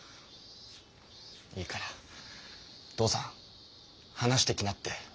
いいから父さん話してきなって。